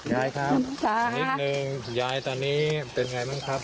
ยายครับนิดนึงยายตอนนี้เป็นไงบ้างครับ